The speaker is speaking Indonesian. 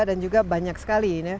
dan juga banyak sekali